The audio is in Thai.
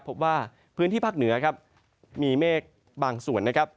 พบว่าพื้นที่ภาคเหนือครับมีเมฆบางส่วนนะครับ